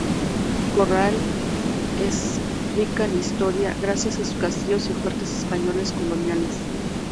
Corral es rica en historia gracias a sus castillos y fuertes españoles coloniales.